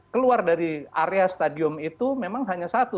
keluar dari area stadion itu memang hanya satu